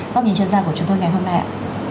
góc nhìn chuyên gia của chúng tôi ngày hôm nay ạ